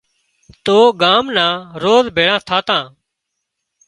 تو ڳان نان روز ڀيۯان ٿاتان